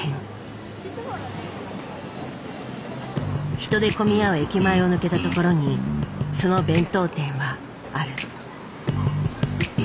人で混み合う駅前を抜けたところにその弁当店はある。